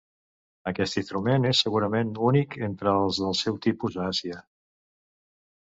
Aquest instrument és segurament únic entre els del seu tipus a Àsia.